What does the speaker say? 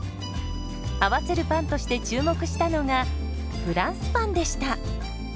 合わせるパンとして注目したのがフランスパンでした。